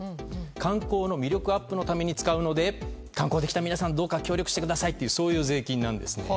観光の魅力アップのために使うので、観光で来た皆さん協力してくださいという税金なんです。